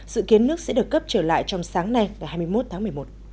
dự kiến nước sẽ được cấp trở lại trong sáng nay ngày hai mươi một tháng một mươi một